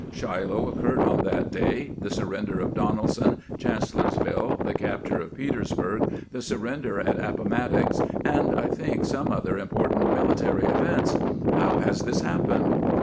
Shiloh occurred on that day, the surrender of Donelson, Chancellorsville, the capture of Petersburg, the surrender at Appomattox, and, I think, some other important military events. How has this happened?"